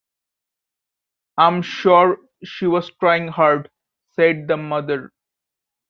“I’m sure she was trying hard,” said the mother.